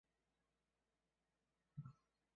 殿试登进士第三甲第七十一名。